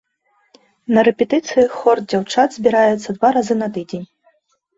На рэпетыцыі хор дзяўчат збіраецца два разы на тыдзень.